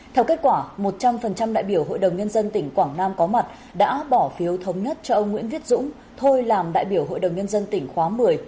theo kết quả một trăm linh đại biểu hội đồng nhân dân tỉnh quảng nam có mặt đã bỏ phiếu thống nhất cho ông nguyễn viết dũng thôi làm đại biểu hội đồng nhân dân tỉnh khóa một mươi